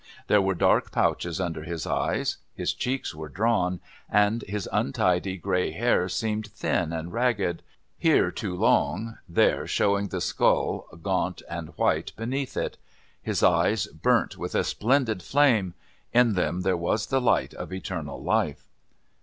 There were dark pouches under his eyes, his cheeks were drawn, and his untidy grey hair seemed thin and ragged here too long, there showing the skull gaunt and white beneath it. His eyes burnt with a splendid flame; in them there was the light of eternal life.